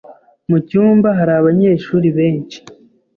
Mucyumba hari abanyeshuri benshi.